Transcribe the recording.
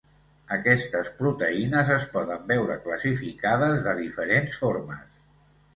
Aquestes proteïnes es poden veure classificades de diferents formes.